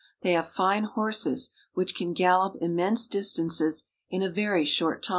They have fine horses which can gal lop immense distances in a very short time.